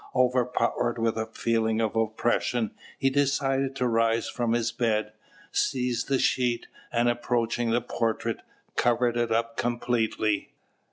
Overpowered with a feeling of oppression, he decided to rise from his bed, seized a sheet, and, approaching the portrait, covered it up completely.